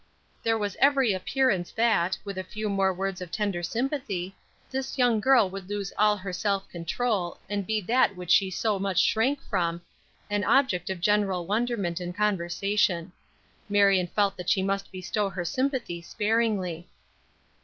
There was every appearance that, with a few more words of tender sympathy, this young girl would lose all her self control and be that which she so much shrank from, an object of general wonderment and conversation. Marion felt that she must bestow her sympathy sparingly.